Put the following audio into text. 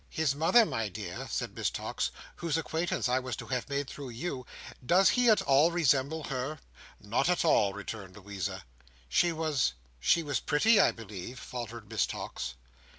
"His mother, my dear," said Miss Tox, "whose acquaintance I was to have made through you, does he at all resemble her?" "Not at all," returned Louisa "She was—she was pretty, I believe?" faltered Miss Tox.